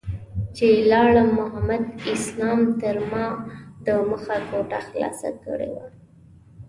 چې لاړم محمد اسلام تر ما دمخه کوټه خلاصه کړې وه.